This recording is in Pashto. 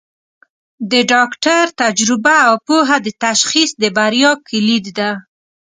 د ډاکټر تجربه او پوهه د تشخیص د بریا کلید ده.